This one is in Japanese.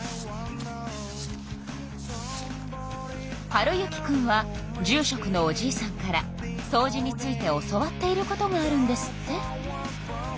温之くんは住しょくのおじいさんからそうじについて教わっていることがあるんですって。